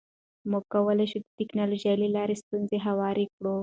موږ کولی شو د ټکنالوژۍ له لارې ستونزې هوارې کړو.